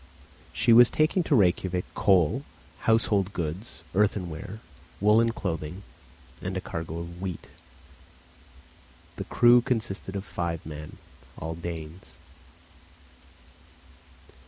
She was taking to Rejkiavik coal, household goods, earthenware, woollen clothing, and a cargo of wheat. The crew consisted of five men, all Danes.